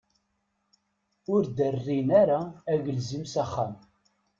Ur d-rrin ara agelzim s axxam.